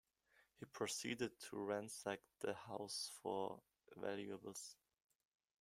He proceeded to ransack the house for valuables.